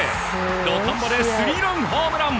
土壇場でスリーランホームラン！